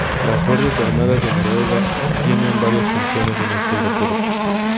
Las Fuerzas Armadas de Noruega tienen varias funciones en este aeropuerto.